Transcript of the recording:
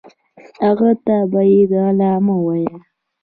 هغه ته به یې علامه ویل.